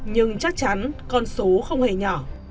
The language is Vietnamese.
nhưng chắc chắn con số không hề nhỏ